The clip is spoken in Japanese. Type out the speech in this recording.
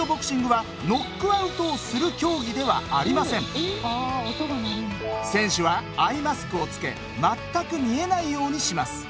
一方選手はアイマスクをつけ全く見えないようにします。